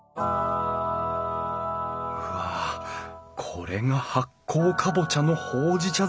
うわこれが発酵カボチャのほうじ茶